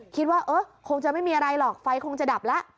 คิดว่าเออคงจะไม่มีอะไรหรอกไฟคงจะดับแล้ว